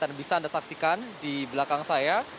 dan bisa anda saksikan di belakang saya